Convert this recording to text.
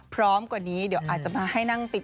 กว่านี้เดี๋ยวอาจจะมาให้นั่งติด